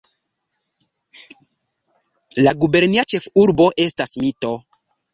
La gubernia ĉefurbo estas Mito.